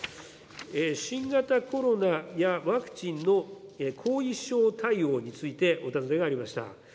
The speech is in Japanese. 新型コロナやワクチンの後遺症対応についてお尋ねがありました。